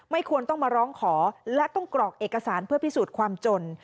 ควรต้องมาร้องขอและต้องกรอกเอกสารเพื่อพิสูจน์ความจน